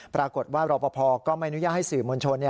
ปรากฏว่ารอปภก็ไม่อนุญาตให้สื่อมวลชน